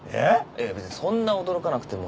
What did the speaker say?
いや別にそんな驚かなくても。